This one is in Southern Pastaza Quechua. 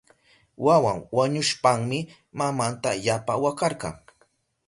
Wawan wañushpanmi mamanta yapa wakarka.